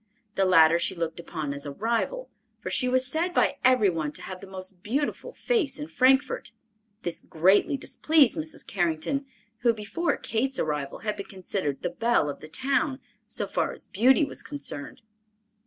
The latter she looked upon as a rival, for she was said by every one to have the most beautiful face in Frankfort. This greatly displeased Mrs. Carrington, who, before Kate's arrival, had been considered the belle of the town, so far as beauty was concerned.